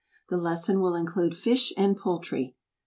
The lesson will include fish and poultry.